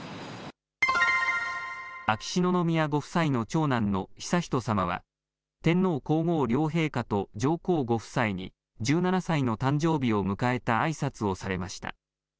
秋篠宮ご夫妻の長男の悠仁さまは、天皇皇后両陛下と上皇ご夫妻に、１７歳の誕生日を迎えたあいさつをされました。